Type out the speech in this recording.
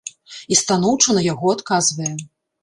І станоўча на яго адказвае.